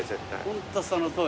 ホントそのとおりだね。